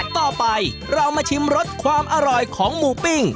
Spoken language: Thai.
ต่อไปเรามาชิมรสความอร่อยของหมูปิ้ง